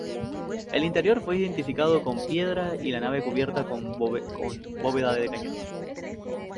El interior fue edificado con piedra y la nave cubierta con bóveda de cañón.